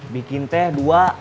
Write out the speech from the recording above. bikin teh dua